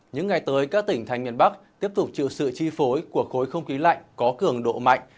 những ngày tới các tỉnh thành miền bắc tiếp tục chịu sự chi phối của khối không khí lạnh có cường độ mạnh